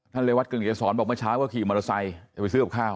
เรวัตกึ่งเกษรบอกเมื่อเช้าก็ขี่มอเตอร์ไซค์จะไปซื้อกับข้าว